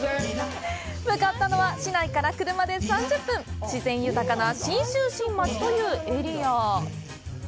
向かったのは市内から車で３０分、自然豊かな信州新町というエリア。